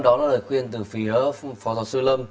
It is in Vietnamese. đó là lời khuyên từ phía phó giáo sư lâm